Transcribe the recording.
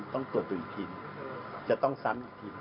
ต้องตรวจกันอีกทีจะต้องซ้ำอีกที